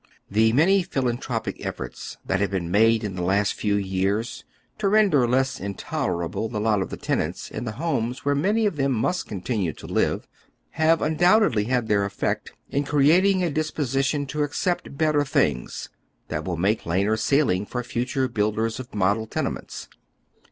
The many philantliropic efforts that have been made in the last few years to render less intolerable the lot of the tenants in the homes where many of them must continue to live, have undoubtedly had tiieir effect in creating a dis position to accept better things, that will make plainer sailing for future builders of model tenements.